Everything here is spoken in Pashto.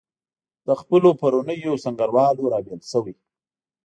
له خپلو پرونیو سنګروالو رابېل شوي.